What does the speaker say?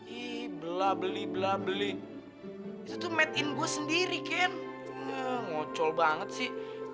ih bla beli bla beli itu tuh made in gue sendiri ken ngocol banget sih